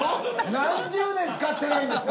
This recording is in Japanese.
何十年使ってないんですか！